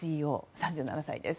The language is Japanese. ３７歳です。